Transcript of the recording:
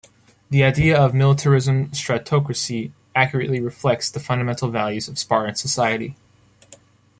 The idea of militarism-stratocracy accurately reflects the fundamental values of Spartan society.